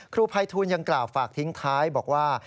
ครูภัยทูลยังกล่าวฝากทิ้งท้ายบอกว่า